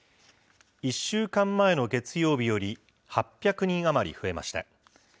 １週間前の月曜日より８００人余り増えました。